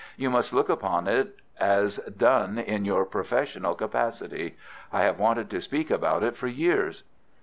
"You must look upon it as done in your professional capacity. I have wanted to speak about it for years."